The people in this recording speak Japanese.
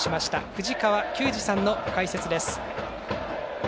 藤川球児さんの解説です。